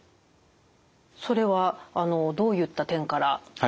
それはどういった点から？